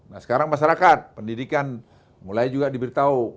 nah sekarang masyarakat pendidikan mulai juga diberitahu